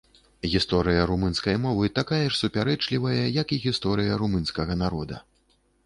Гісторыя румынскай мовы такая ж супярэчлівая, як і гісторыя румынскага народа.